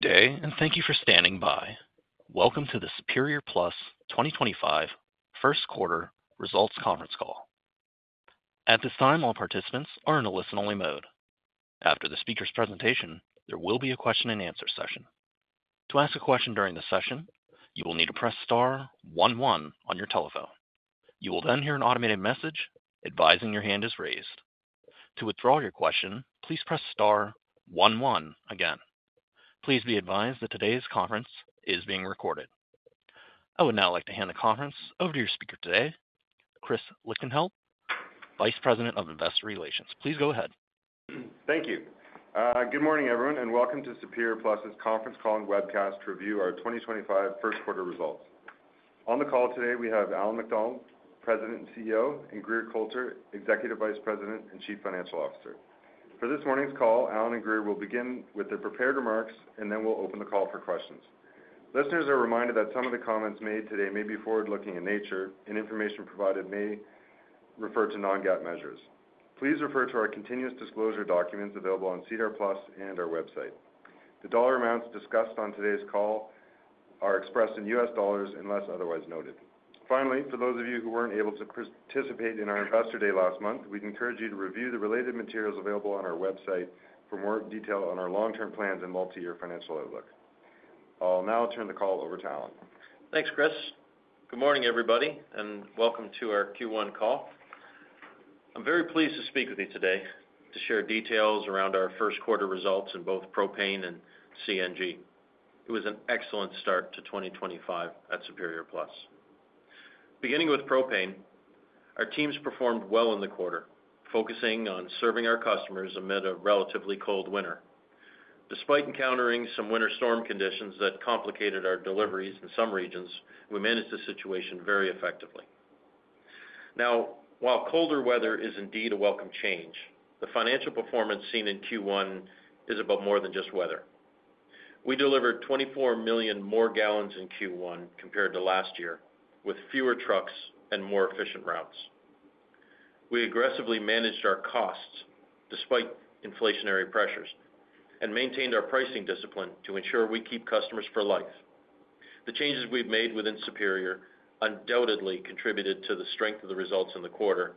Good day, and thank you for standing by. Welcome to the Superior Plus 2025 First Quarter Results Conference Call. At this time, all participants are in a listen-only mode. After the speaker's presentation, there will be a question-and-answer session. To ask a question during the session, you will need to press star one one on your telephone. You will then hear an automated message advising your hand is raised. To withdraw your question, please press star one one again. Please be advised that today's conference is being recorded. I would now like to hand the conference over to your speaker today, Chris Lichtenheldt, Vice President of Investor Relations. Please go ahead. Thank you. Good morning, everyone, and welcome to Superior Plus Conference Call and Webcast to Review our 2025 First Quarter Results. On the call today, we have Allan MacDonald, President and CEO, and Grier Colter, Executive Vice President and Chief Financial Officer. For this morning's call, Allan and Grier will begin with their prepared remarks, and then we'll open the call for questions. Listeners are reminded that some of the comments made today may be forward-looking in nature, and information provided may refer to non-GAAP measures. Please refer to our continuous disclosure documents available on SEDAR+ and our website. The dollar amounts discussed on today's call are expressed in US dollars unless otherwise noted. Finally, for those of you who were not able to participate in our Investor Day last month, we would encourage you to review the related materials available on our website for more detail on our long-term plans and multi-year financial outlook. I will now turn the call over to Allan. Thanks, Chris. Good morning, everybody, and welcome to our Q1 Call. I'm very pleased to speak with you today to share details around our first quarter results in both propane and CNG. It was an excellent start to 2025 at Superior Plus. Beginning with propane, our teams performed well in the quarter, focusing on serving our customers amid a relatively cold winter. Despite encountering some winter storm conditions that complicated our deliveries in some regions, we managed the situation very effectively. Now, while colder weather is indeed a welcome change, the financial performance seen in Q1 is about more than just weather. We delivered $24 million more gallons in Q1 compared to last year, with fewer trucks and more efficient routes. We aggressively managed our costs despite inflationary pressures and maintained our pricing discipline to ensure we keep customers for life. The changes we've made within Superior undoubtedly contributed to the strength of the results in the quarter,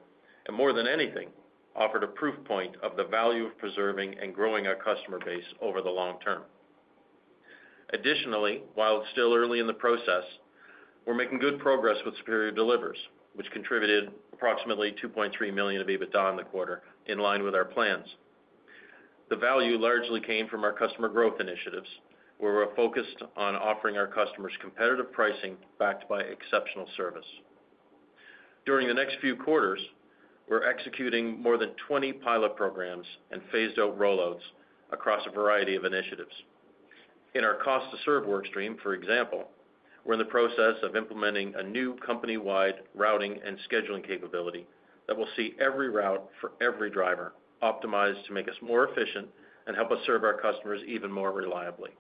and more than anything, offered a proof point of the value of preserving and growing our customer base over the long term. Additionally, while still early in the process, we're making good progress with Superior Delivers, which contributed approximately $2.3 million of EBITDA in the quarter, in line with our plans. The value largely came from our customer growth initiatives, where we're focused on offering our customers competitive pricing backed by exceptional service. During the next few quarters, we're executing more than 20 pilot programs and phased-out rollouts across a variety of initiatives. In our cost-to-serve workstream, for example, we're in the process of implementing a new company-wide routing and scheduling capability that will see every route for every driver optimized to make us more efficient and help us serve our customers even more reliably.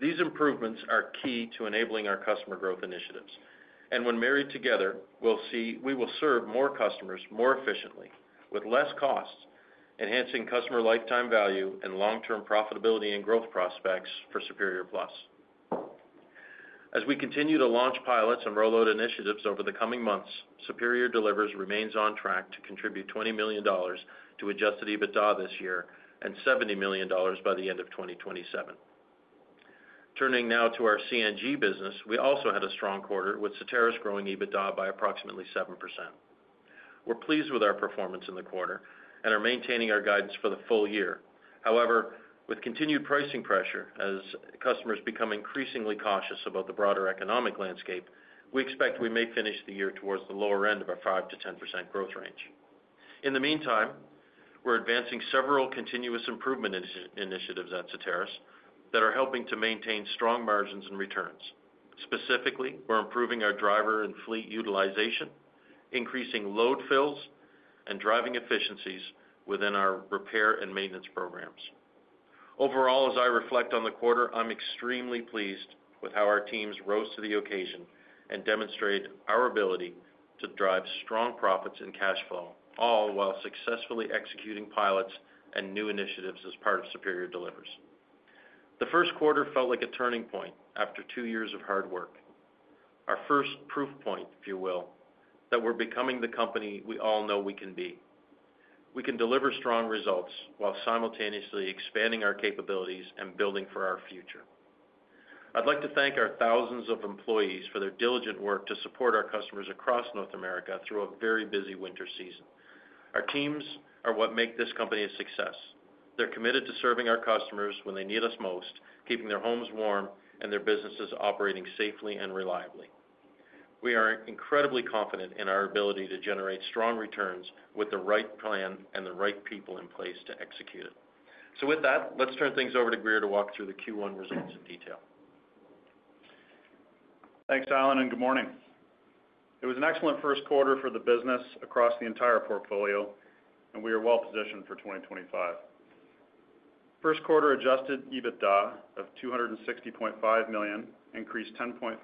These improvements are key to enabling our customer growth initiatives, and when married together, we'll see we will serve more customers more efficiently, with less costs, enhancing customer lifetime value and long-term profitability and growth prospects for Superior Plus. As we continue to launch pilots and rollout initiatives over the coming months, Superior Delivers remains on track to contribute $20 million to adjusted EBITDA this year and $70 million by the end of 2027. Turning now to our CNG business, we also had a strong quarter, with Certarus growing EBITDA by approximately 7%. We're pleased with our performance in the quarter and are maintaining our guidance for the full year. However, with continued pricing pressure as customers become increasingly cautious about the broader economic landscape, we expect we may finish the year towards the lower end of a 5-10% growth range. In the meantime, we're advancing several continuous improvement initiatives at Certarus that are helping to maintain strong margins and returns. Specifically, we're improving our driver and fleet utilization, increasing load fills, and driving efficiencies within our repair and maintenance programs. Overall, as I reflect on the quarter, I'm extremely pleased with how our teams rose to the occasion and demonstrate our ability to drive strong profits and cash flow, all while successfully executing pilots and new initiatives as part of Superior Delivers. The first quarter felt like a turning point after two years of hard work, our first proof point, if you will, that we're becoming the company we all know we can be. We can deliver strong results while simultaneously expanding our capabilities and building for our future. I'd like to thank our thousands of employees for their diligent work to support our customers across North America through a very busy winter season. Our teams are what make this company a success. They're committed to serving our customers when they need us most, keeping their homes warm and their businesses operating safely and reliably. We are incredibly confident in our ability to generate strong returns with the right plan and the right people in place to execute it. Let's turn things over to Grier to walk through the Q1 results in detail. Thanks, Allan, and good morning. It was an excellent first quarter for the business across the entire portfolio, and we are well positioned for 2025. First quarter adjusted EBITDA of $260.5 million increased 10.5%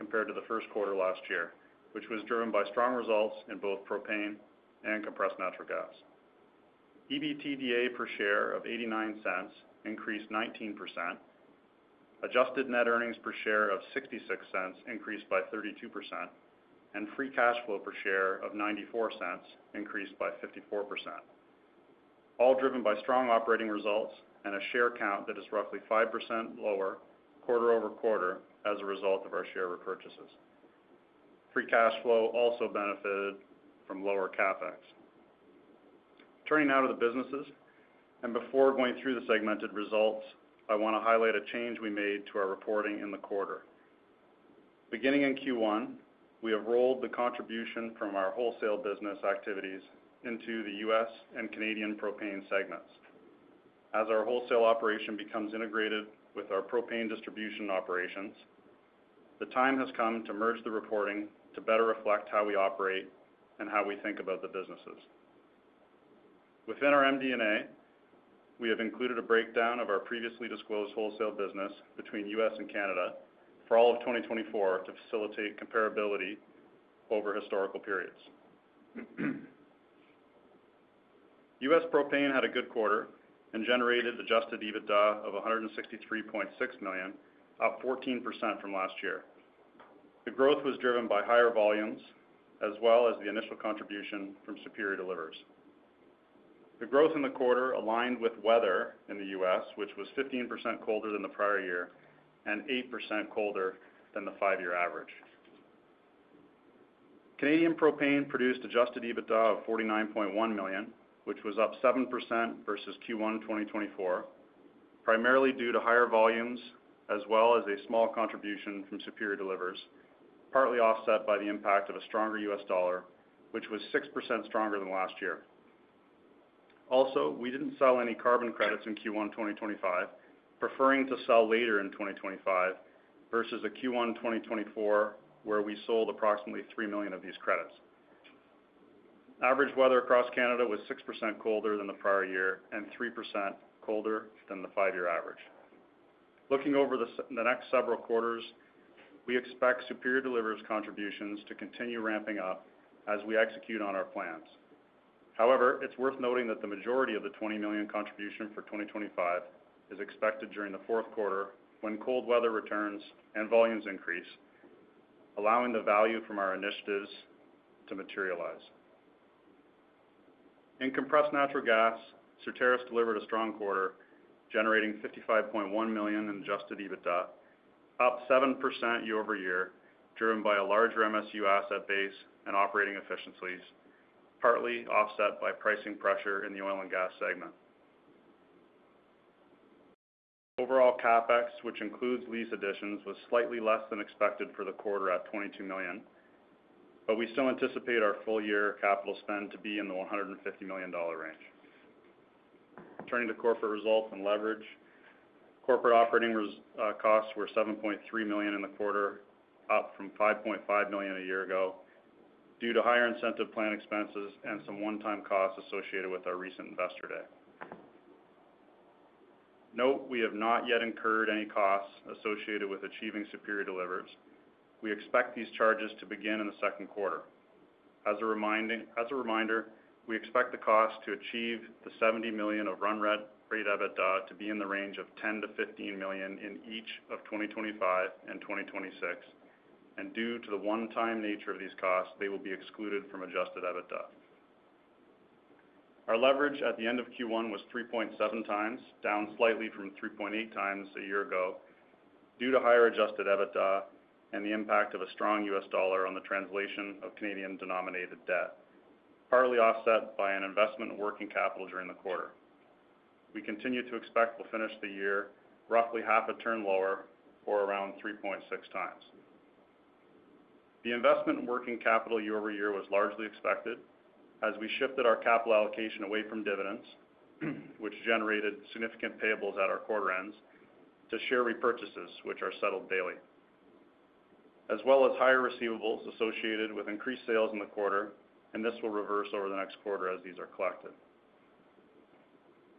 compared to the first quarter last year, which was driven by strong results in both propane and compressed natural gas. EBITDA per share of $0.89 increased 19%, adjusted net earnings per share of $0.66 increased by 32%, and free cash flow per share of $0.94 increased by 54%, all driven by strong operating results and a share count that is roughly 5% lower quarter-over-quarter as a result of our share repurchases. Free cash flow also benefited from lower CapEx. Turning now to the businesses, and before going through the segmented results, I want to highlight a change we made to our reporting in the quarter. Beginning in Q1, we have rolled the contribution from our wholesale business activities into the U.S. and Canadian propane segments. As our wholesale operation becomes integrated with our propane distribution operations, the time has come to merge the reporting to better reflect how we operate and how we think about the businesses. Within our MD&A, we have included a breakdown of our previously disclosed wholesale business between U.S. and Canada for all of 2024 to facilitate comparability over historical periods. U.S. propane had a good quarter and generated adjusted EBITDA of $163.6 million, up 14% from last year. The growth was driven by higher volumes as well as the initial contribution from Superior Delivers. The growth in the quarter aligned with weather in the U.S., which was 15% colder than the prior year and 8% colder than the five-year average. Canadian propane produced adjusted EBITDA of $49.1 million, which was up 7% versus Q1 2024, primarily due to higher volumes as well as a small contribution from Superior Delivers, partly offset by the impact of a stronger =S dollar, which was 6% stronger than last year. Also, we did not sell any carbon credits in Q1 2025, preferring to sell later in 2025 versus a Q1 2024 where we sold approximately 3 million of these credits. Average weather across Canada was 6% colder than the prior year and 3% colder than the five-year average. Looking over the next several quarters, we expect Superior Delivers' contributions to continue ramping up as we execute on our plans. However, it is worth noting that the majority of the $20 million contribution for 2025 is expected during the fourth quarter when cold weather returns and volumes increase, allowing the value from our initiatives to materialize. In compressed natural gas, Certarus delivered a strong quarter, generating $55.1 million in adjusted EBITDA, up 7% year-over-year, driven by a larger MSU asset base and operating efficiencies, partly offset by pricing pressure in the oil and gas segment. Overall, CapEx, which includes lease additions, was slightly less than expected for the quarter at $22 million, but we still anticipate our full-year capital spend to be in the $150 million range. Turning to corporate results and leverage, corporate operating costs were $7.3 million in the quarter, up from $5.5 million a year ago due to higher incentive plan expenses and some one-time costs associated with our recent Investor Day. Note, we have not yet incurred any costs associated with achieving Superior Delivers. We expect these charges to begin in the second quarter. As a reminder, we expect the cost to achieve the $70 million of run rate EBITDA to be in the range of $10 to $15 million in each of 2025 and 2026, and due to the one-time nature of these costs, they will be excluded from adjusted EBITDA. Our leverage at the end of Q1 was 3.7 times, down slightly from 3.8 times a year ago due to higher adjusted EBITDA and the impact of a strong US dollar on the translation of Canadian-denominated debt, partly offset by an investment in working capital during the quarter. We continue to expect we'll finish the year roughly half a turn lower or around 3.6 times. The investment in working capital year over year was largely expected as we shifted our capital allocation away from dividends, which generated significant payables at our quarter ends, to share repurchases, which are settled daily, as well as higher receivables associated with increased sales in the quarter, and this will reverse over the next quarter as these are collected.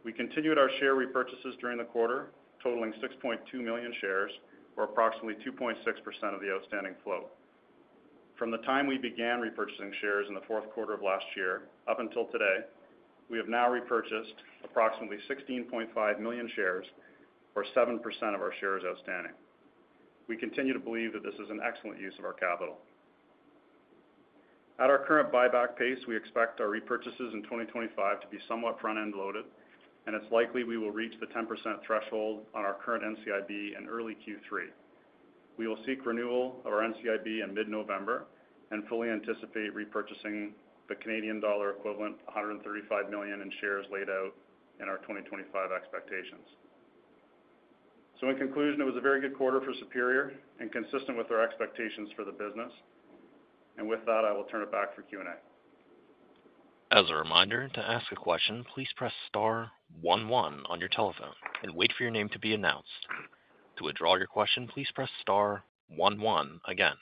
We continued our share repurchases during the quarter, totaling $6.2 million shares or approximately 2.6% of the outstanding flow. From the time we began repurchasing shares in the fourth quarter of last year up until today, we have now repurchased approximately $16.5 million shares or 7% of our shares outstanding. We continue to believe that this is an excellent use of our capital. At our current buyback pace, we expect our repurchases in 2025 to be somewhat front-end loaded, and it's likely we will reach the 10% threshold on our current NCIB in early Q3. We will seek renewal of our NCIB in mid-November and fully anticipate repurchasing the 135 million Canadian dollar in shares laid out in our 2025 expectations. In conclusion, it was a very good quarter for Superior and consistent with our expectations for the business. With that, I will turn it back for Q&A. As a reminder, to ask a question, please press star one one on your telephone and wait for your name to be announced. To withdraw your question, please press star one one again.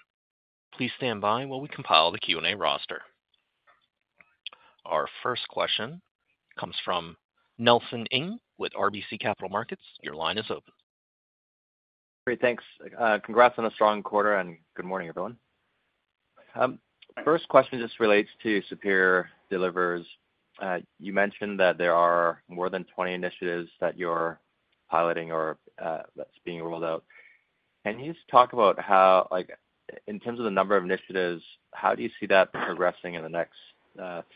Please stand by while we compile the Q&A roster. Our first question comes from Nelson Ng with RBC Capital Markets. Your line is open. Great. Thanks. Congrats on a strong quarter and good morning, everyone. First question just relates to Superior Delivers. You mentioned that there are more than 20 initiatives that you're piloting or that's being rolled out. Can you just talk about how, in terms of the number of initiatives, how do you see that progressing in the next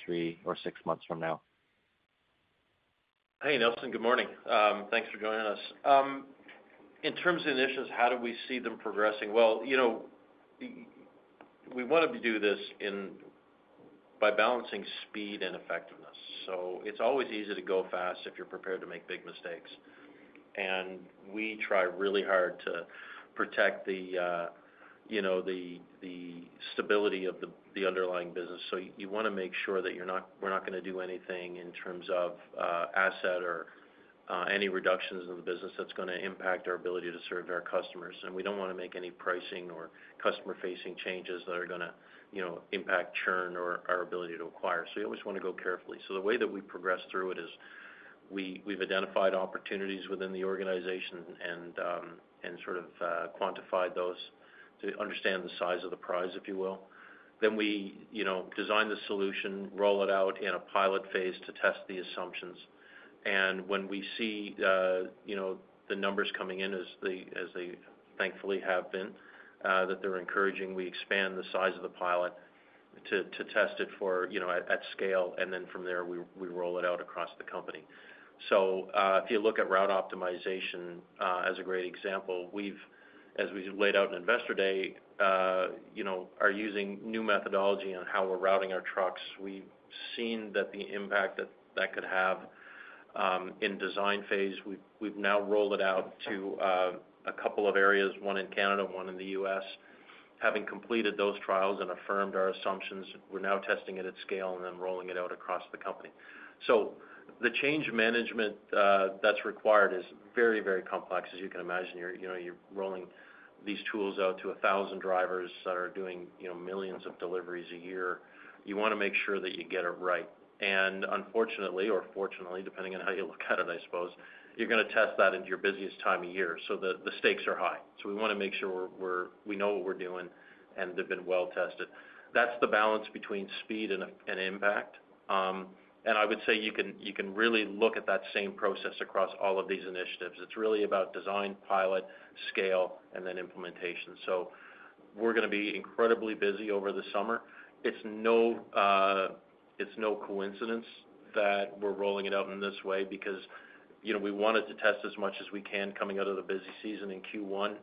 three or six months from now? Hey, Nelson. Good morning. Thanks for joining us. In terms of initiatives, how do we see them progressing? We want to do this by balancing speed and effectiveness. It is always easy to go fast if you're prepared to make big mistakes. We try really hard to protect the stability of the underlying business. You want to make sure that we're not going to do anything in terms of asset or any reductions in the business that's going to impact our ability to serve our customers. We do not want to make any pricing or customer-facing changes that are going to impact churn or our ability to acquire. We always want to go carefully. The way that we progress through it is we've identified opportunities within the organization and sort of quantified those to understand the size of the prize, if you will. We design the solution, roll it out in a pilot phase to test the assumptions. When we see the numbers coming in, as they thankfully have been, that they're encouraging, we expand the size of the pilot to test it at scale. From there, we roll it out across the company. If you look at route optimization as a great example, as we laid out in Investor Day, we are using new methodology on how we're routing our trucks. We've seen the impact that that could have in design phase. We've now rolled it out to a couple of areas, one in Canada, one in the U.S. Having completed those trials and affirmed our assumptions, we're now testing it at scale and then rolling it out across the company. The change management that's required is very, very complex. As you can imagine, you're rolling these tools out to 1,000 drivers that are doing millions of deliveries a year. You want to make sure that you get it right. Unfortunately or fortunately, depending on how you look at it, I suppose, you're going to test that in your busiest time of year. The stakes are high. We want to make sure we know what we're doing and they've been well tested. That's the balance between speed and impact. I would say you can really look at that same process across all of these initiatives. It's really about design, pilot, scale, and then implementation. We're going to be incredibly busy over the summer. It's no coincidence that we're rolling it out in this way because we wanted to test as much as we can coming out of the busy season in Q1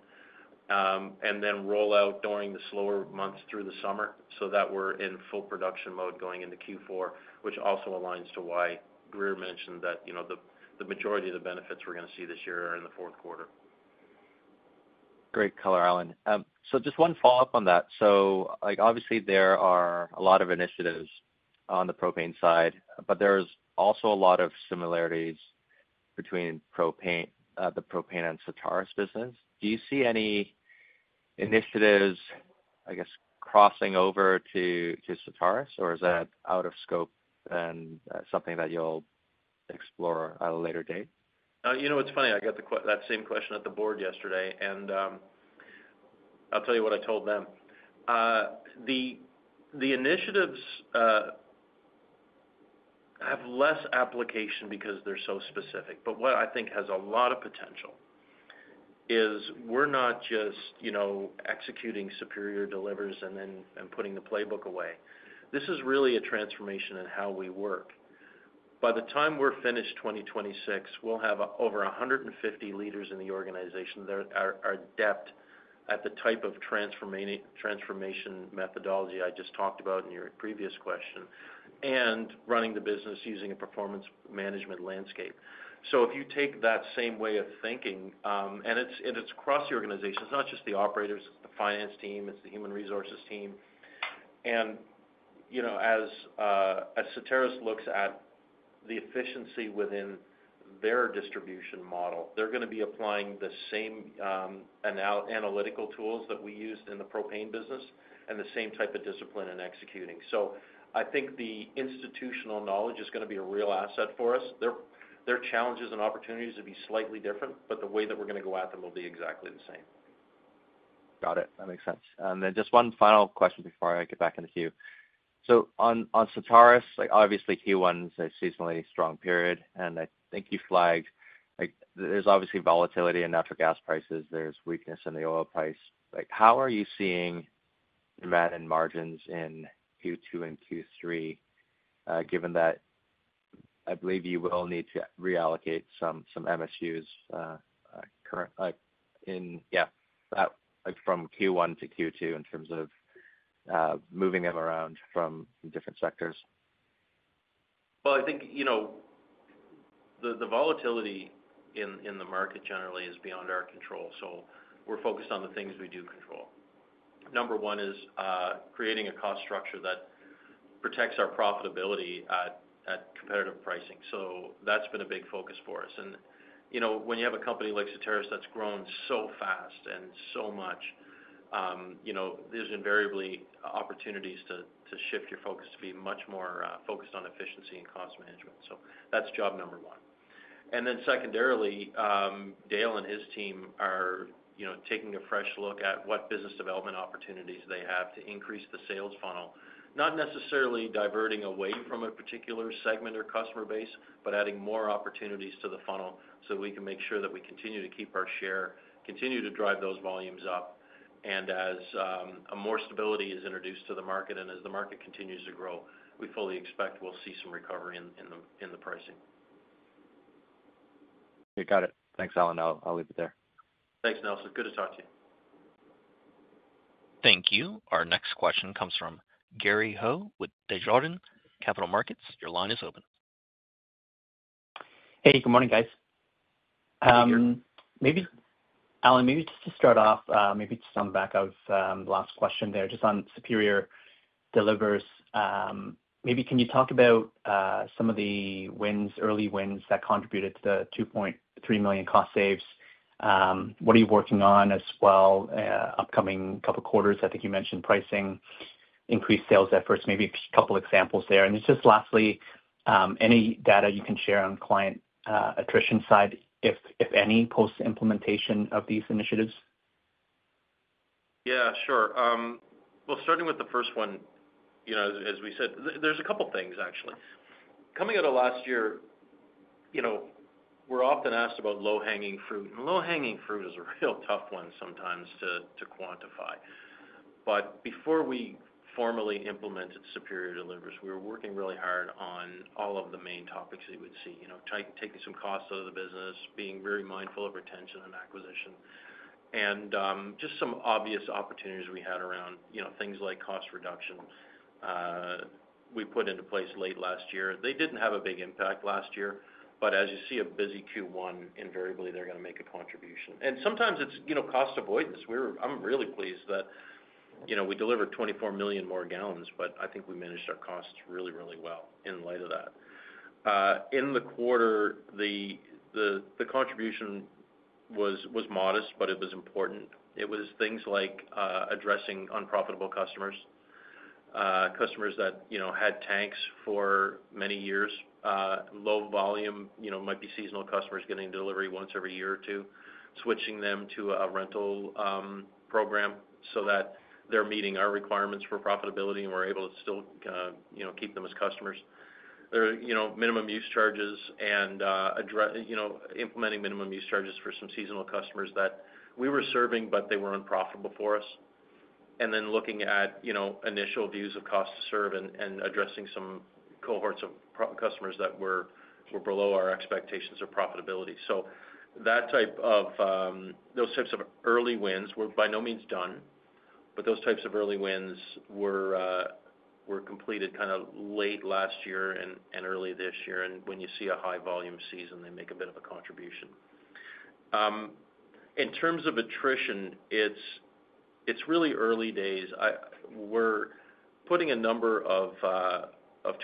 and then roll out during the slower months through the summer so that we're in full production mode going into Q4, which also aligns to why Grier mentioned that the majority of the benefits we're going to see this year are in the fourth quarter. Great color, Allan. Just one follow-up on that. Obviously, there are a lot of initiatives on the propane side, but there's also a lot of similarities between the propane and Certarus business. Do you see any initiatives, I guess, crossing over to Certarus, or is that out of scope and something that you'll explore at a later date? You know what's funny? I got that same question at the board yesterday, and I'll tell you what I told them. The initiatives have less application because they're so specific. What I think has a lot of potential is we're not just executing Superior Delivers and then putting the playbook away. This is really a transformation in how we work. By the time we're finished 2026, we'll have over 150 leaders in the organization that are adept at the type of transformation methodology I just talked about in your previous question and running the business using a performance management landscape. If you take that same way of thinking, and it's across the organization, it's not just the operators, it's the finance team, it's the human resources team. As Certarus looks at the efficiency within their distribution model, they're going to be applying the same analytical tools that we used in the propane business and the same type of discipline in executing. I think the institutional knowledge is going to be a real asset for us. Their challenges and opportunities will be slightly different, but the way that we're going to go at them will be exactly the same. Got it. That makes sense. Just one final question before I get back into Q. On Certarus, obviously, Q1 is a seasonally strong period, and I think you flagged there's obviously volatility in natural gas prices. There's weakness in the oil price. How are you seeing demand and margins in Q2 and Q3, given that I believe you will need to reallocate some MSUs from Q1 to Q2 in terms of moving them around from different sectors? I think the volatility in the market generally is beyond our control. We are focused on the things we do control. Number one is creating a cost structure that protects our profitability at competitive pricing. That has been a big focus for us. When you have a company like Certarus that has grown so fast and so much, there are invariably opportunities to shift your focus to be much more focused on efficiency and cost management. That is job number one. Secondarily, Dale and his team are taking a fresh look at what business development opportunities they have to increase the sales funnel, not necessarily diverting away from a particular segment or customer base, but adding more opportunities to the funnel so that we can make sure that we continue to keep our share, continue to drive those volumes up. As more stability is introduced to the market and as the market continues to grow, we fully expect we'll see some recovery in the pricing. Okay. Got it. Thanks, Allan. I'll leave it there. Thanks, Nelson. Good to talk to you. Thank you. Our next question comes from Gary Ho with Desjardins Capital Markets. Your line is open. Hey, good morning, guys. Allan, maybe just to start off, maybe to sound back of the last question there, just on Superior Delivers, maybe can you talk about some of the early wins that contributed to the $2.3 million cost saves? What are you working on as well upcoming couple of quarters? I think you mentioned pricing, increased sales efforts, maybe a couple of examples there. And just lastly, any data you can share on client attrition side, if any, post-implementation of these initiatives? Yeah, sure. Starting with the first one, as we said, there's a couple of things, actually. Coming out of last year, we're often asked about low-hanging fruit. Low-hanging fruit is a real tough one sometimes to quantify. Before we formally implemented Superior Delivers, we were working really hard on all of the main topics that you would see: taking some costs out of the business, being very mindful of retention and acquisition, and just some obvious opportunities we had around things like cost reduction. We put into place late last year. They didn't have a big impact last year, but as you see a busy Q1, invariably, they're going to make a contribution. Sometimes it's cost avoidance. I'm really pleased that we delivered 24 million more gallons, but I think we managed our costs really, really well in light of that. In the quarter, the contribution was modest, but it was important. It was things like addressing unprofitable customers, customers that had tanks for many years, low volume, might be seasonal customers getting delivery once every year or two, switching them to a rental program so that they're meeting our requirements for profitability and we're able to still keep them as customers. Minimum use charges and implementing minimum use charges for some seasonal customers that we were serving, but they were unprofitable for us. Then looking at initial views of cost to serve and addressing some cohorts of customers that were below our expectations of profitability. Those types of early wins were by no means done, but those types of early wins were completed kind of late last year and early this year. When you see a high volume season, they make a bit of a contribution. In terms of attrition, it's really early days. We're putting a number of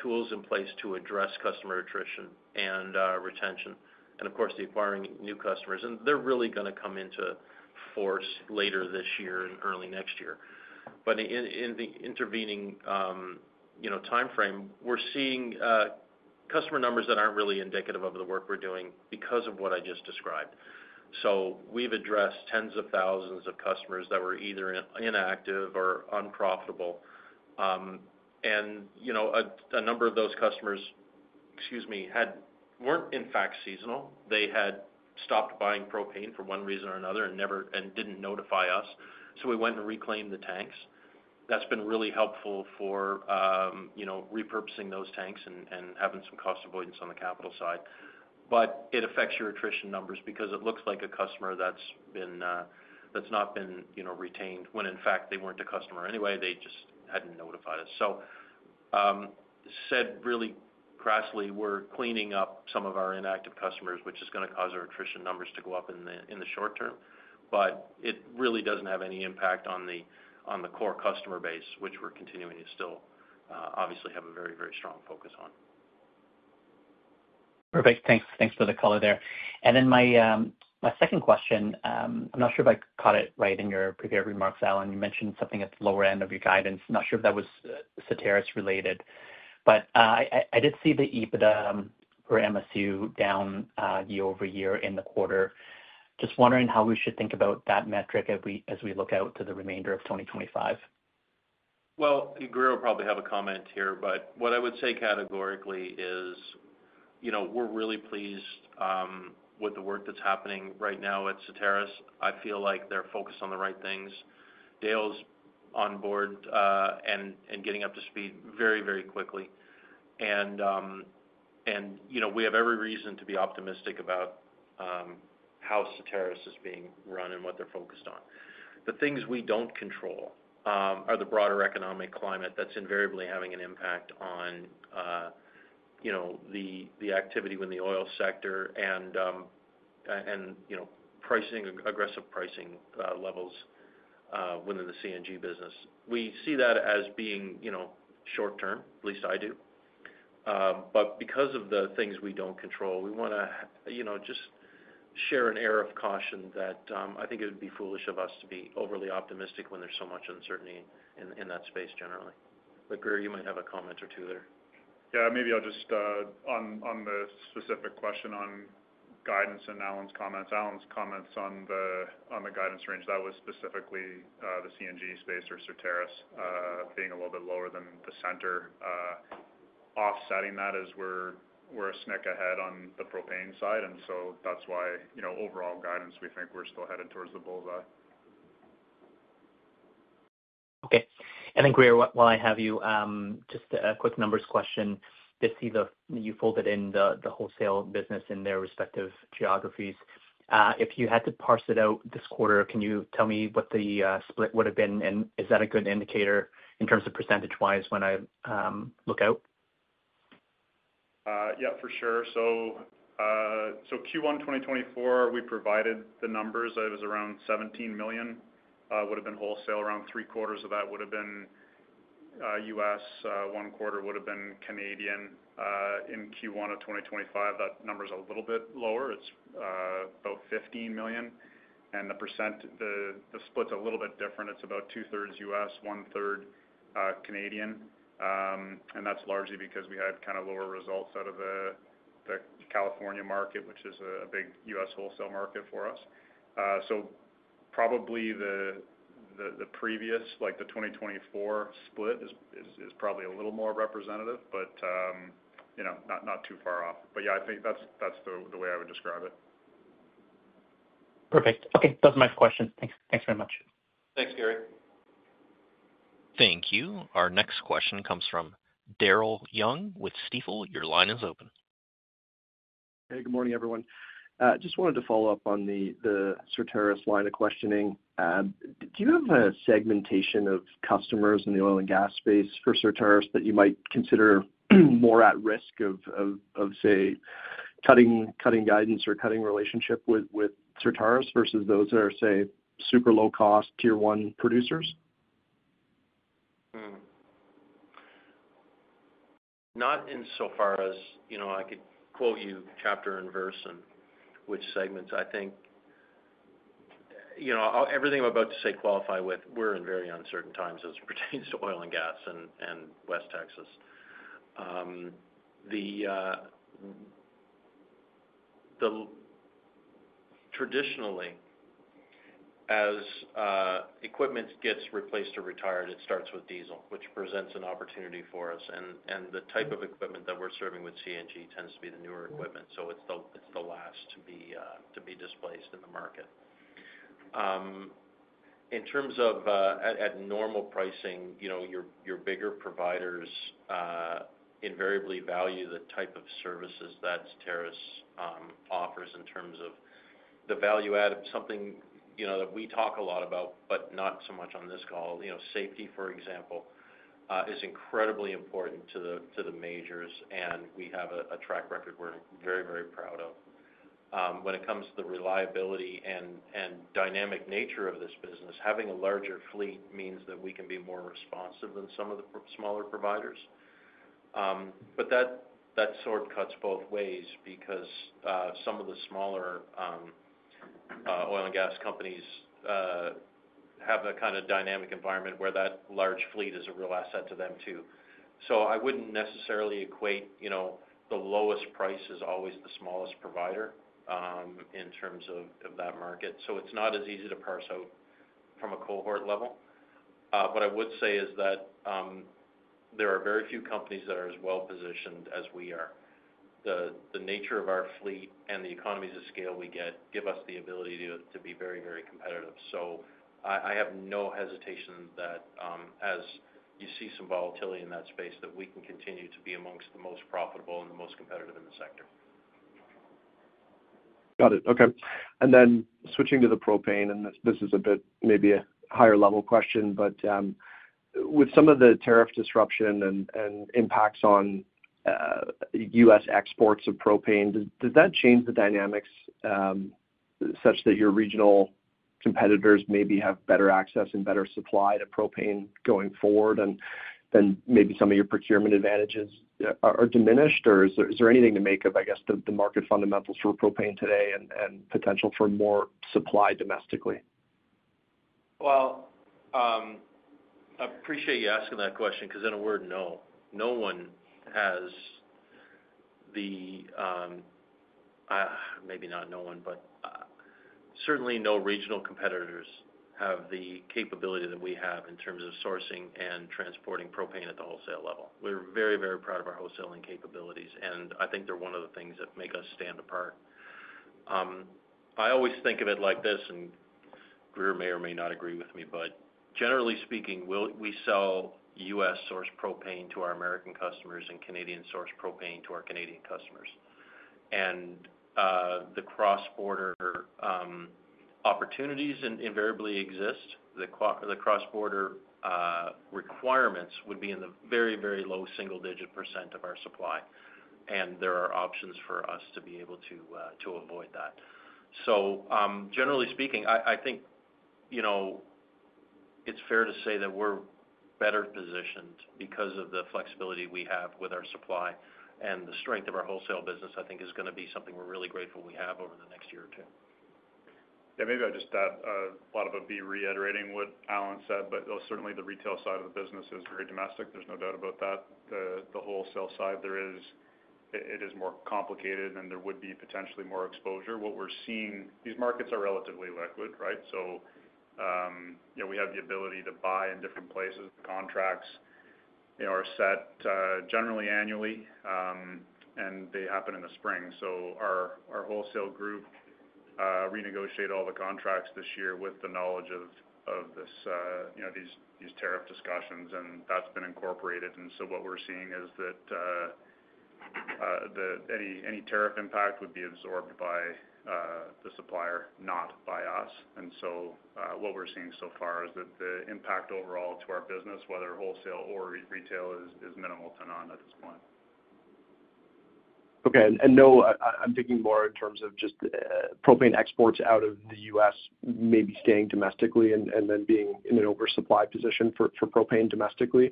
tools in place to address customer attrition and retention and, of course, acquiring new customers. They're really going to come into force later this year and early next year. In the intervening timeframe, we're seeing customer numbers that aren't really indicative of the work we're doing because of what I just described. We've addressed tens of thousands of customers that were either inactive or unprofitable. A number of those customers, excuse me, were in fact seasonal. They had stopped buying propane for one reason or another and didn't notify us. We went and reclaimed the tanks. That's been really helpful for repurposing those tanks and having some cost avoidance on the capital side. It affects your attrition numbers because it looks like a customer that's not been retained when, in fact, they weren't a customer anyway. They just hadn't notified us. Said really crassly, we're cleaning up some of our inactive customers, which is going to cause our attrition numbers to go up in the short term. It really doesn't have any impact on the core customer base, which we're continuing to still obviously have a very, very strong focus on. Perfect. Thanks for the color there. My second question, I'm not sure if I caught it right in your prepared remarks, Allan. You mentioned something at the lower end of your guidance. Not sure if that was Certarus-related. I did see the EBITDA per MSU down year-over-year in the quarter. Just wondering how we should think about that metric as we look out to the remainder of 2025. Grier will probably have a comment here, but what I would say categorically is we're really pleased with the work that's happening right now at Certarus. I feel like they're focused on the right things. Dale's on board and getting up to speed very, very quickly. We have every reason to be optimistic about how Certarus is being run and what they're focused on. The things we don't control are the broader economic climate that's invariably having an impact on the activity in the oil sector and aggressive pricing levels within the CNG business. We see that as being short-term, at least I do. Because of the things we don't control, we want to just share an air of caution that I think it would be foolish of us to be overly optimistic when there's so much uncertainty in that space generally. Grier, you might have a comment or two there. Yeah. Maybe I'll just on the specific question on guidance and Allan's comments, Allan's comments on the guidance range, that was specifically the CNG space or Certarus being a little bit lower than the center. Offsetting that is we're a snick ahead on the propane side. That's why overall guidance, we think we're still headed towards the bull's eye. Okay. And then, Grier, while I have you, just a quick numbers question. I see that you folded in the wholesale business in their respective geographies. If you had to parse it out this quarter, can you tell me what the split would have been? Is that a good indicator in terms of percentage-wise when I look out? Yeah, for sure. Q1 2024, we provided the numbers. It was around $17 million. Would have been wholesale. Around three-quarters of that would have been U.S. One quarter would have been Canadian. In Q1 of 2025, that number is a little bit lower. It's about $15 million. The split's a little bit different. It's about two-thirds U.S., one-third Canadian. That's largely because we had kind of lower results out of the California market, which is a big U.S. wholesale market for us. Probably the previous, like the 2024 split, is probably a little more representative, but not too far off. Yeah, I think that's the way I would describe it. Perfect. Okay. That was my question. Thanks very much. Thanks, Gary. Thank you. Our next question comes from Daryl Young with Stifel. Your line is open. Hey, good morning, everyone. Just wanted to follow up on the Certarus line of questioning. Do you have a segmentation of customers in the oil and gas space for Certarus that you might consider more at risk of, say, cutting guidance or cutting relationship with Certarus versus those that are, say, super low-cost tier-one producers? Not in so far as I could quote you chapter and verse and which segments. I think everything I'm about to say qualifies with. We're in very uncertain times as it pertains to oil and gas and West Texas. Traditionally, as equipment gets replaced or retired, it starts with diesel, which presents an opportunity for us. The type of equipment that we're serving with CNG tends to be the newer equipment. It is the last to be displaced in the market. In terms of at normal pricing, your bigger providers invariably value the type of services that Certarus offers in terms of the value-added something that we talk a lot about, but not so much on this call. Safety, for example, is incredibly important to the majors, and we have a track record we're very, very proud of. When it comes to the reliability and dynamic nature of this business, having a larger fleet means that we can be more responsive than some of the smaller providers. That sort of cuts both ways because some of the smaller oil and gas companies have a kind of dynamic environment where that large fleet is a real asset to them too. I would not necessarily equate the lowest price as always the smallest provider in terms of that market. It is not as easy to parse out from a cohort level. What I would say is that there are very few companies that are as well-positioned as we are. The nature of our fleet and the economies of scale we get give us the ability to be very, very competitive. I have no hesitation that as you see some volatility in that space, that we can continue to be amongst the most profitable and the most competitive in the sector. Got it. Okay. Switching to the propane, and this is a bit maybe a higher-level question, but with some of the tariff disruption and impacts on U.S. exports of propane, does that change the dynamics such that your regional competitors maybe have better access and better supply to propane going forward? Maybe some of your procurement advantages are diminished? Is there anything to make of, I guess, the market fundamentals for propane today and potential for more supply domestically? I appreciate you asking that question because in a word, no. No one has the, maybe not no one, but certainly no regional competitors have the capability that we have in terms of sourcing and transporting propane at the wholesale level. We're very, very proud of our wholesaling capabilities, and I think they're one of the things that make us stand apart. I always think of it like this, and Grier may or may not agree with me, but generally speaking, we sell U.S.-sourced propane to our American customers and Canadian-sourced propane to our Canadian customers. The cross-border opportunities invariably exist. The cross-border requirements would be in the very, very low single-digit % of our supply. There are options for us to be able to avoid that. Generally speaking, I think it's fair to say that we're better positioned because of the flexibility we have with our supply. The strength of our wholesale business, I think, is going to be something we're really grateful we have over the next year or two. Yeah. Maybe I'll just add a lot of it would be reiterating what Allan said, but certainly the retail side of the business is very domestic. There's no doubt about that. The wholesale side, it is more complicated, and there would be potentially more exposure. What we're seeing, these markets are relatively liquid, right? We have the ability to buy in different places. The contracts are set generally annually, and they happen in the spring. Our wholesale group renegotiated all the contracts this year with the knowledge of these tariff discussions, and that's been incorporated. What we're seeing is that any tariff impact would be absorbed by the supplier, not by us. What we're seeing so far is that the impact overall to our business, whether wholesale or retail, is minimal to none at this point. Okay. I'm thinking more in terms of just propane exports out of the U.S. maybe staying domestically and then being in an oversupply position for propane domestically.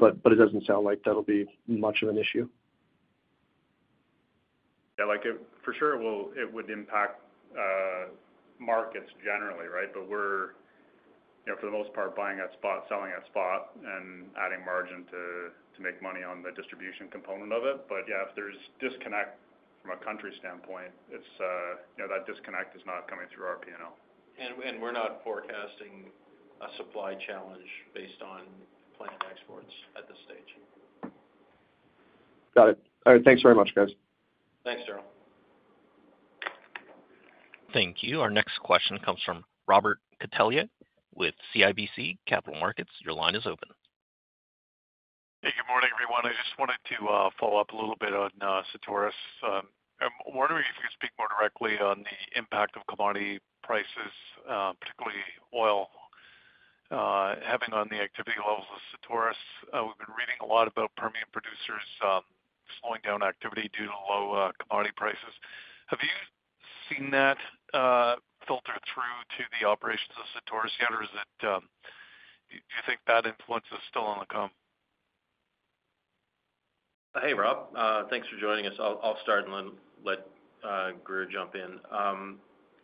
It doesn't sound like that'll be much of an issue. Yeah. For sure, it would impact markets generally, right? We're, for the most part, buying at spot, selling at spot, and adding margin to make money on the distribution component of it. Yeah, if there's disconnect from a country standpoint, that disconnect is not coming through our P&L. We're not forecasting a supply challenge based on plant exports at this stage. Got it. All right. Thanks very much, guys. Thanks, Daryl. Thank you. Our next question comes from Robert Catellier with CIBC Capital Markets. Your line is open. Hey, good morning, everyone. I just wanted to follow up a little bit on Certarus. I'm wondering if you could speak more directly on the impact of commodity prices, particularly oil, having on the activity levels of Certarus. We've been reading a lot about Permian producers slowing down activity due to low commodity prices. Have you seen that filter through to the operations of Certarus yet, or do you think that influence is still on the come? Hey, Rob. Thanks for joining us. I'll start and let Grier jump in.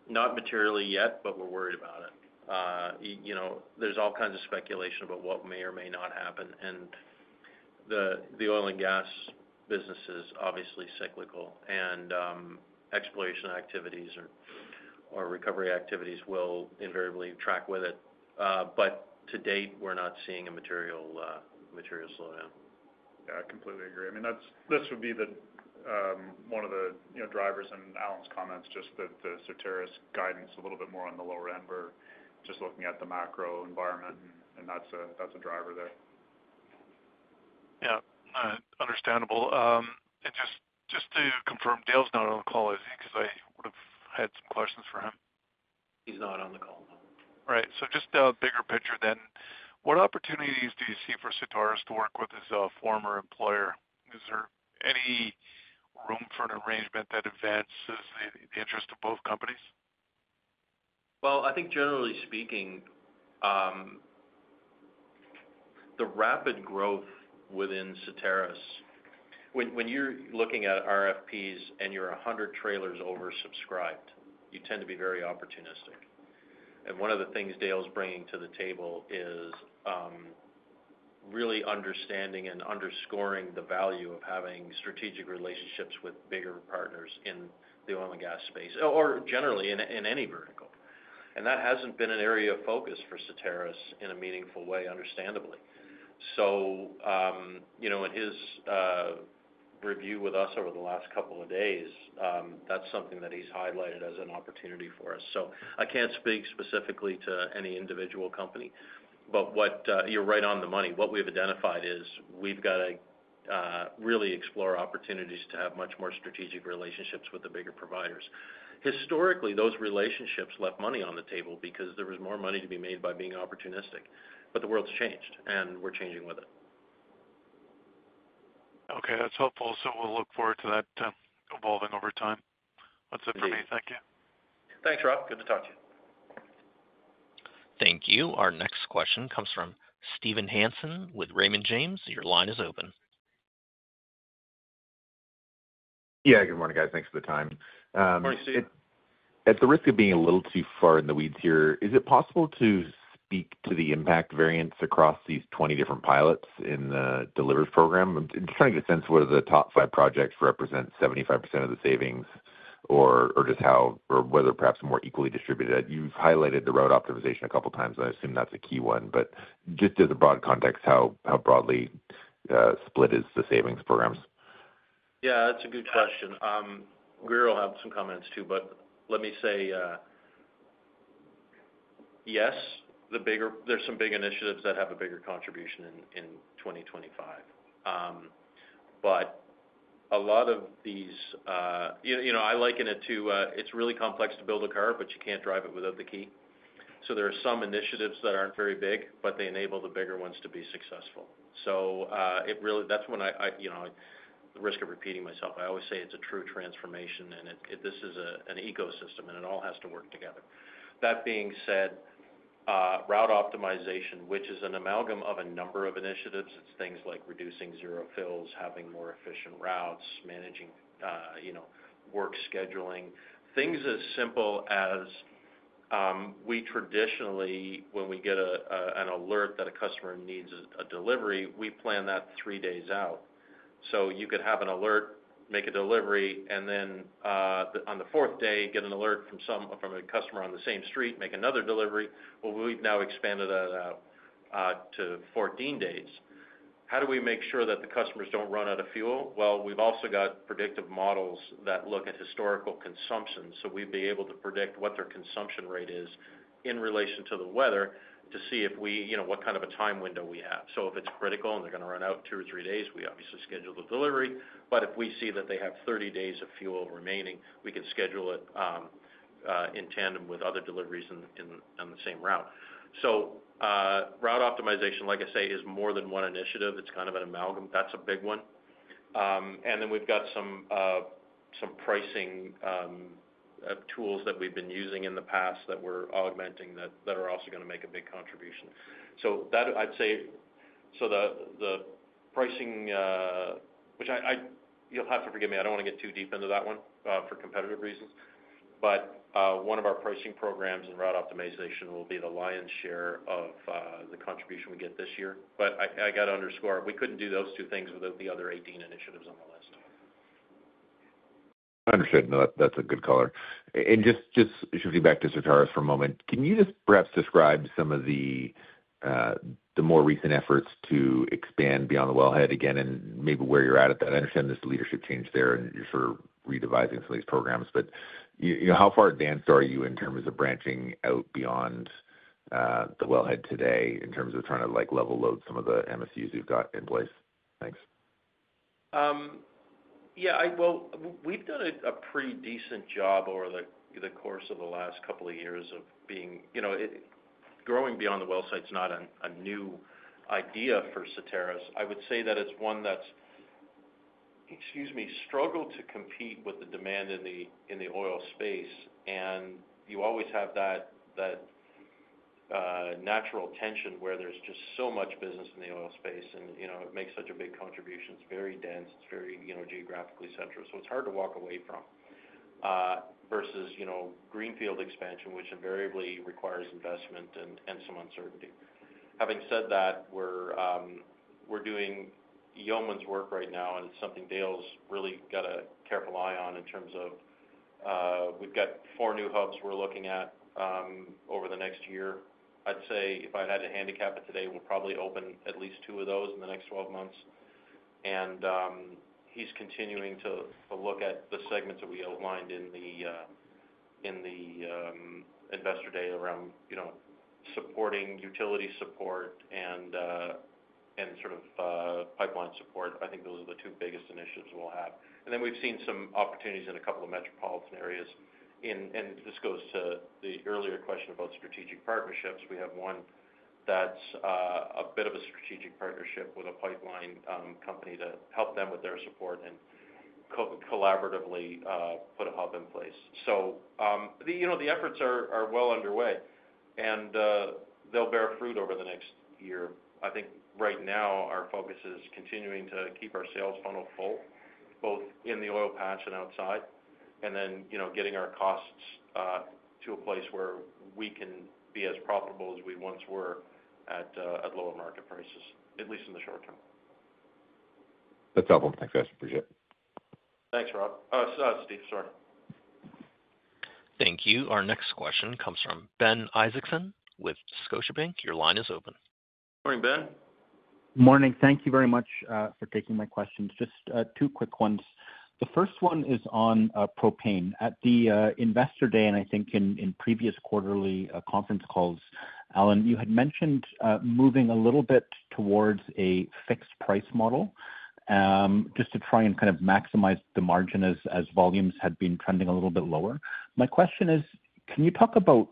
Not materially yet, but we're worried about it. There's all kinds of speculation about what may or may not happen. The oil and gas business is obviously cyclical, and exploration activities or recovery activities will invariably track with it. To date, we're not seeing a material slowdown. Yeah, I completely agree. I mean, this would be one of the drivers in Allan's comments, just that the Certarus guidance is a little bit more on the lower end. We're just looking at the macro environment, and that's a driver there. Yeah. Understandable. And just to confirm, Dale's not on the call, I think, because I would have had some questions for him. He's not on the call. Right. So just the bigger picture then, what opportunities do you see for Certarus to work with its former employer? Is there any room for an arrangement that advances the interest of both companies? I think generally speaking, the rapid growth within Certarus, when you're looking at RFPs and you're 100 trailers oversubscribed, you tend to be very opportunistic. One of the things Dale's bringing to the table is really understanding and underscoring the value of having strategic relationships with bigger partners in the oil and gas space, or generally in any vertical. That hasn't been an area of focus for Certarus in a meaningful way, understandably. In his review with us over the last couple of days, that's something that he's highlighted as an opportunity for us. I can't speak specifically to any individual company. You're right on the money. What we've identified is we've got to really explore opportunities to have much more strategic relationships with the bigger providers. Historically, those relationships left money on the table because there was more money to be made by being opportunistic. The world's changed, and we're changing with it. Okay. That's helpful. So we'll look forward to that evolving over time. That's it for me. Thank you. Thanks, Rob. Good to talk to you. Thank you. Our next question comes from Steven Hansen with Raymond James. Your line is open. Yeah. Good morning, guys. Thanks for the time. Morning, Steve. At the risk of being a little too far in the weeds here, is it possible to speak to the impact variance across these 20 different pilots in the delivered program? I'm just trying to get a sense of whether the top five projects represent 75% of the savings or just whether perhaps more equally distributed. You've highlighted the road optimization a couple of times, and I assume that's a key one. Just as a broad context, how broadly split is the savings programs? Yeah. That's a good question. Grier will have some comments too, but let me say, yes, there's some big initiatives that have a bigger contribution in 2025. A lot of these, I liken it to, it's really complex to build a car, but you can't drive it without the key. There are some initiatives that aren't very big, but they enable the bigger ones to be successful. At the risk of repeating myself, I always say it's a true transformation, and this is an ecosystem, and it all has to work together. That being said, route optimization, which is an amalgam of a number of initiatives. It's things like reducing zero fills, having more efficient routes, managing work scheduling, things as simple as we traditionally, when we get an alert that a customer needs a delivery, we plan that three days out. You could have an alert, make a delivery, and then on the fourth day, get an alert from a customer on the same street, make another delivery. We have now expanded that out to 14 days. How do we make sure that the customers do not run out of fuel? We have also got predictive models that look at historical consumption. We would be able to predict what their consumption rate is in relation to the weather to see what kind of a time window we have. If it is critical and they are going to run out in two or three days, we obviously schedule the delivery. If we see that they have 30 days of fuel remaining, we can schedule it in tandem with other deliveries on the same route. Route optimization, like I say, is more than one initiative. It is kind of an amalgam. That's a big one. We've got some pricing tools that we've been using in the past that we're augmenting that are also going to make a big contribution. I'd say the pricing, which you'll have to forgive me, I don't want to get too deep into that one for competitive reasons. One of our pricing programs and route optimization will be the lion's share of the contribution we get this year. I have to underscore, we couldn't do those two things without the other 18 initiatives on the list. Understood. No, that's a good color. Just shifting back to Certarus for a moment, can you just perhaps describe some of the more recent efforts to expand beyond the wellhead again and maybe where you're at at that? I understand there's a leadership change there, and you're sort of redevising some of these programs. How far advanced are you in terms of branching out beyond the wellhead today in terms of trying to level load some of the MSUs you've got in place? Thanks. Yeah. We've done a pretty decent job over the course of the last couple of years of being growing beyond the wellside is not a new idea for Certarus. I would say that it's one that's, excuse me, struggled to compete with the demand in the oil space. You always have that natural tension where there's just so much business in the oil space, and it makes such a big contribution. It's very dense. It's very geographically central. It's hard to walk away from versus greenfield expansion, which invariably requires investment and some uncertainty. Having said that, we're doing Yeoman's work right now, and it's something Dale's really got a careful eye on in terms of we've got four new hubs we're looking at over the next year. I'd say if I had to handicap it today, we'll probably open at least two of those in the next 12 months. He's continuing to look at the segments that we outlined in the investor day around supporting utility support and sort of pipeline support. I think those are the two biggest initiatives we'll have. We've seen some opportunities in a couple of metropolitan areas. This goes to the earlier question about strategic partnerships. We have one that's a bit of a strategic partnership with a pipeline company to help them with their support and collaboratively put a hub in place. The efforts are well underway, and they'll bear fruit over the next year. I think right now, our focus is continuing to keep our sales funnel full, both in the oil patch and outside, and then getting our costs to a place where we can be as profitable as we once were at lower market prices, at least in the short term. That's helpful. Thanks, guys. Appreciate it. Thanks, Rob. Oh, Steve, sorry. Thank you. Our next question comes from Ben Isaacson with Scotiabank. Your line is open. Morning, Ben. Morning. Thank you very much for taking my questions. Just two quick ones. The first one is on propane. At the investor day and I think in previous quarterly conference calls, Allan, you had mentioned moving a little bit towards a fixed price model just to try and kind of maximize the margin as volumes had been trending a little bit lower. My question is, can you talk about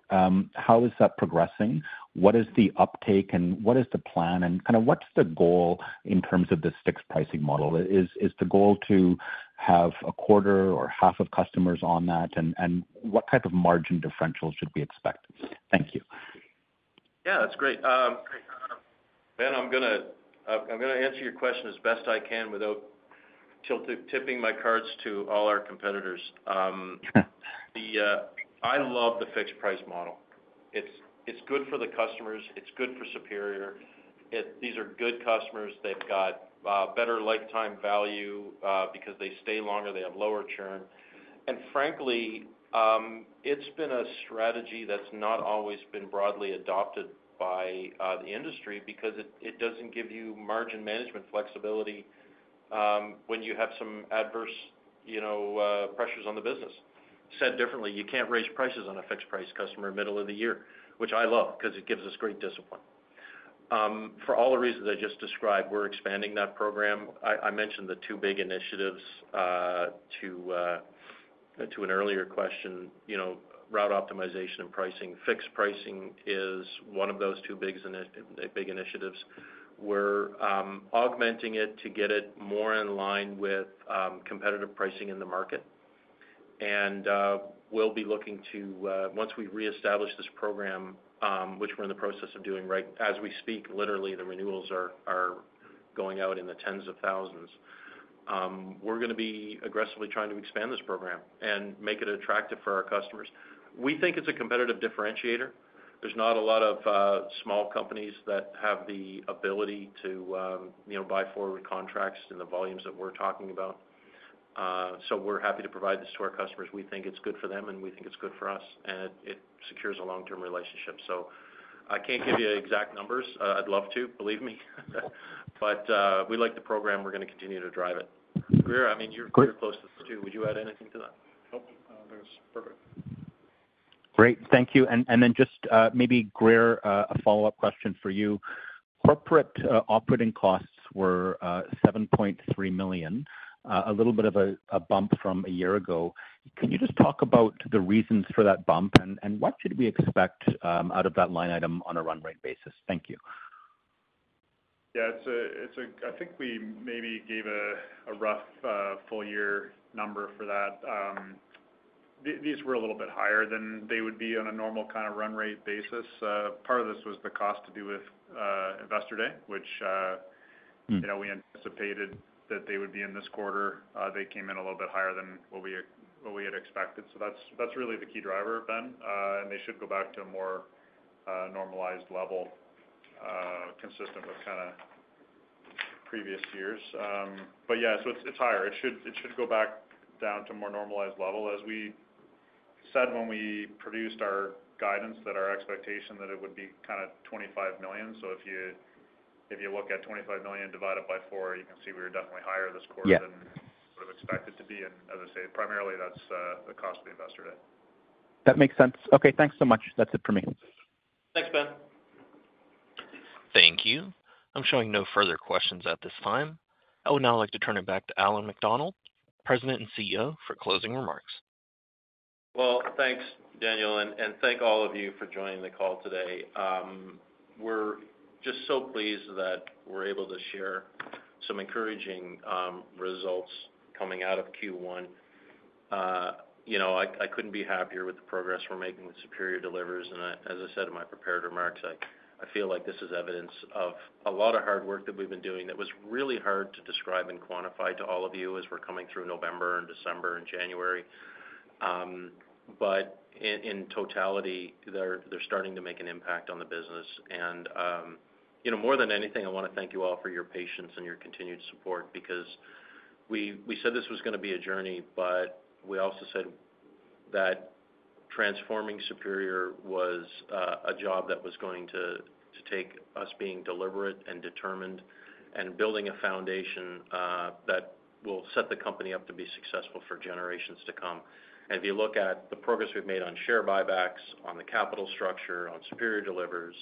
how is that progressing? What is the uptake and what is the plan? And kind of what's the goal in terms of the fixed pricing model? Is the goal to have a quarter or half of customers on that? And what type of margin differentials should we expect? Thank you. Yeah, that's great. Ben, I'm going to answer your question as best I can without tipping my cards to all our competitors. I love the fixed price model. It's good for the customers. It's good for Superior. These are good customers. They've got better lifetime value because they stay longer. They have lower churn. And frankly, it's been a strategy that's not always been broadly adopted by the industry because it doesn't give you margin management flexibility when you have some adverse pressures on the business. Said differently, you can't raise prices on a fixed price customer in the middle of the year, which I love because it gives us great discipline. For all the reasons I just described, we're expanding that program. I mentioned the two big initiatives to an earlier question, route optimization and pricing. Fixed pricing is one of those two big initiatives. We're augmenting it to get it more in line with competitive pricing in the market. We'll be looking to, once we reestablish this program, which we're in the process of doing right as we speak, literally, the renewals are going out in the tens of thousands. We're going to be aggressively trying to expand this program and make it attractive for our customers. We think it's a competitive differentiator. There's not a lot of small companies that have the ability to buy forward contracts in the volumes that we're talking about. We're happy to provide this to our customers. We think it's good for them, and we think it's good for us. It secures a long-term relationship. I can't give you exact numbers. I'd love to, believe me. We like the program. We're going to continue to drive it. Grier. I mean, you're close to the two. Would you add anything to that? Nope. I think it's perfect. Great. Thank you. Maybe, Grier, a follow-up question for you. Corporate operating costs were $7.3 million, a little bit of a bump from a year ago. Can you just talk about the reasons for that bump and what should we expect out of that line item on a run rate basis? Thank you. Yeah. I think we maybe gave a rough full-year number for that. These were a little bit higher than they would be on a normal kind of run rate basis. Part of this was the cost to do with investor day, which we anticipated that they would be in this quarter. They came in a little bit higher than what we had expected. That is really the key driver, Ben. They should go back to a more normalized level consistent with kind of previous years. Yeah, it is higher. It should go back down to a more normalized level. As we said when we produced our guidance, our expectation was that it would be kind of $25 million. If you look at $25 million divided by four, you can see we were definitely higher this quarter than we would have expected to be. Primarily, that's the cost of the investor day. That makes sense. Okay. Thanks so much. That's it for me. Thanks, Ben. Thank you. I'm showing no further questions at this time. I would now like to turn it back to Allan MacDonald, President and CEO, for closing remarks. Thank you, Daniel. Thank all of you for joining the call today. We are just so pleased that we are able to share some encouraging results coming out of Q1. I could not be happier with the progress we are making with Superior Delivers. As I said in my prepared remarks, I feel like this is evidence of a lot of hard work that we have been doing that was really hard to describe and quantify to all of you as we were coming through November and December and January. In totality, they are starting to make an impact on the business. More than anything, I want to thank you all for your patience and your continued support because we said this was going to be a journey, but we also said that transforming Superior was a job that was going to take us being deliberate and determined and building a foundation that will set the company up to be successful for generations to come. If you look at the progress we have made on share buybacks, on the capital structure, on Superior Delivers,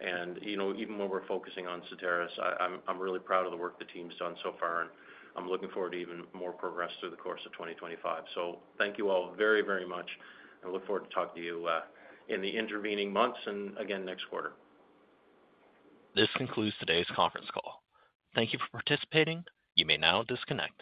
and even when we are focusing on Certarus, I am really proud of the work the team's done so far, and I am looking forward to even more progress through the course of 2025. Thank you all very, very much. I look forward to talking to you in the intervening months and again next quarter. This concludes today's conference call. Thank you for participating. You may now disconnect.